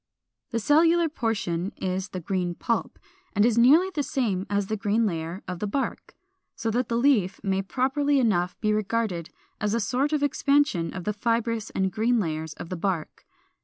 The cellular portion is the green pulp, and is nearly the same as the green layer of the bark. So that the leaf may properly enough be regarded as a sort of expansion of the fibrous and green layers of the bark.